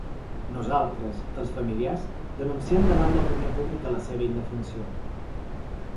Nosaltres, els familiars, denunciem davant l’opinió pública la seva indefensió.